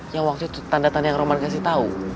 yang waktu itu tanda tanda yang roman kasih tahu